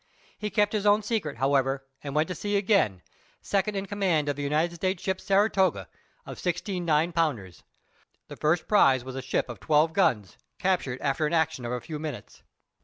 He kept his own secret, however, and "went to sea again," second in command of the United States' ship Saratoga, of sixteen nine pounders. The first prize was a ship of twelve guns, captured after an action of a few minutes.